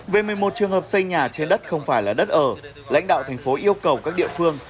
về một mươi một trường hợp xây nhà trên đất không phải là đất ở lãnh đạo thành phố yêu cầu các địa phương